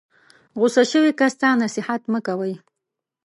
غسه شوي کس ته نصیحت مه کوئ.